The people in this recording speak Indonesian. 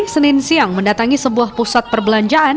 senin siang mendatangi sebuah pusat perbelanjaan